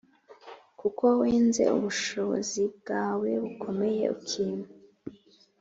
kuko wenze ubushobozi bwawe bukomeye ukīma.